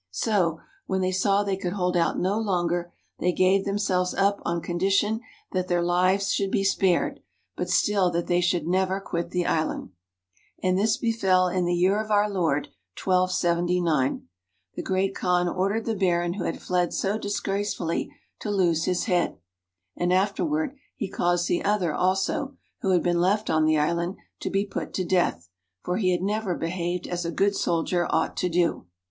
So, when they saw they could hold out no longer, they gave themselves up on condition that their lives should be spared, but still that they should never quit the island. And this befell in the year of our Lord 1279. The Great Kaan ordered the baron who had fled so disgracefully to lose his head. And afterward he caused the other also, who had been left on the island, to be put to death, for he had never behaved as a good soldier ought to do.